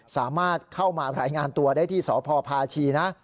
สามารถเข้ามารายงานตัวได้ที่สพพาชีนะ